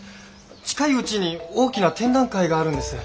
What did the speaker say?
近いうちに大きな展覧会があるんです。